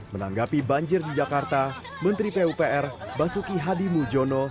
menanggapi banjir di jakarta menteri pupr basuki hadi mujono